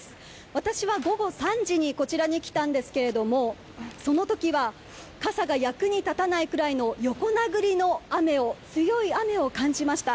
私は午後３時にこちらに来たんですがその時は傘が役に立たないくらいの横殴りの雨を強い雨を感じました。